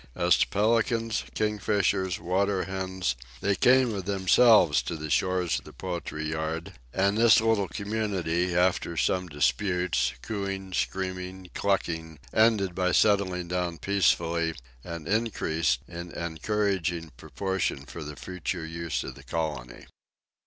As to pelicans, kingfishers, water hens, they came of themselves to the shores of the poultry yard, and this little community, after some disputes, cooing, screaming, clucking, ended by settling down peacefully, and increased in encouraging proportion for the future use of the colony.